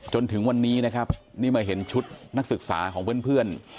จนถึงวันนี้นะครับนี่มาเห็นชุดนักศึกษาของเพื่อน